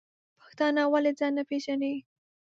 پښتانه ولی ځان نه پیژنی؟